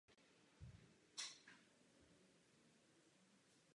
Napsal kolem třiceti komedií a šedesáti tragédií.